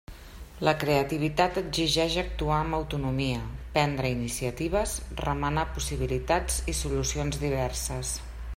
La creativitat exigix actuar amb autonomia, prendre iniciatives, remenar possibilitats i solucions diverses.